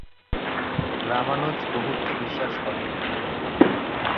রামানুজ বহুত্বে বিশ্বাস করেন।